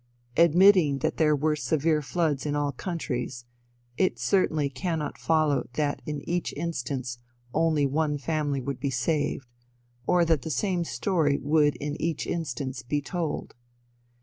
Admitting that there were severe floods in all countries; it certainly cannot follow that in each instance only one family would be saved, or that the same story would in each instance be told.